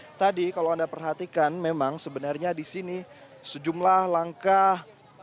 nah tadi kalau anda perhatikan memang sebenarnya di sini sejumlah langkah